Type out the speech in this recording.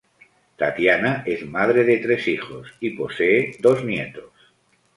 Tatiana es madre de tres hijos y posee dos nietos.